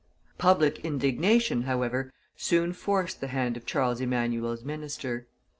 Public indignation, however, soon forced the hand of Charles Emmanuel's minister.